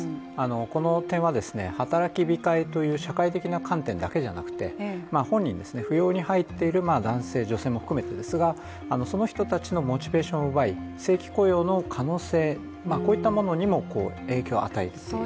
この点は働き控えという社会的な観点だけじゃなくて、本人扶養に入っている男性、女性も含めてですがその人たちのモチベーションを奪い正規雇用の可能性にも影響を与えている。